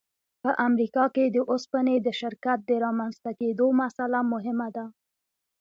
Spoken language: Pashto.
په امریکا کې د اوسپنې د شرکت د رامنځته کېدو مسأله مهمه ده